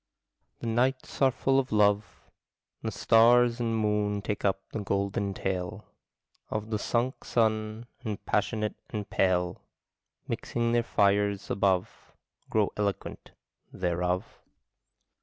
The nights are full of love; The stars and moon take up the golden tale Of the sunk sun, and passionate and pale, Mixing their fires above, Grow eloquent thereof.